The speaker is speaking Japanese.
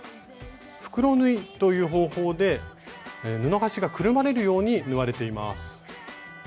「袋縫い」という方法で布端がくるまれるように縫われています。